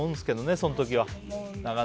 その時は。